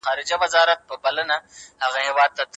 مسلکي او تخنیکي ارزښتونه تر پښو لاندې کېږي.